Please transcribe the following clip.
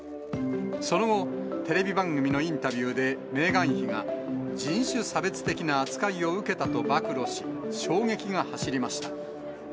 その後、テレビ番組のインタビューでメーガン妃が、人種差別的な扱いを受けたと暴露し、衝撃が走りました。